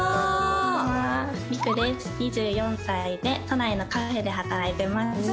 ２４歳で都内のカフェで働いてます。